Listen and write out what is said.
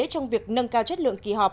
trong việc nâng cao chất lượng kỳ họp